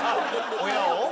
親を？